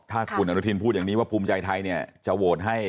ถ้าคุณอนุทินบอกว่าพรรคภูมิใจไทยตอนหาเสียงมีจุดยืนชัดเจน